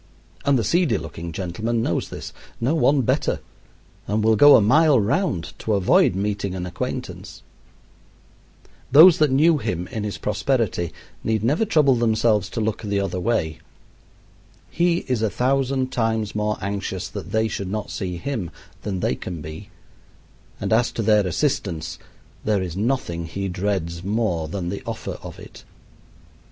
And the seedy looking gentleman knows this no one better and will go a mile round to avoid meeting an acquaintance. Those that knew him in his prosperity need never trouble themselves to look the other way. He is a thousand times more anxious that they should not see him than they can be; and as to their assistance, there is nothing he dreads more than the offer of it.